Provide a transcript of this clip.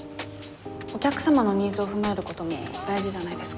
お客様のニーズを踏まえることも大事じゃないですか？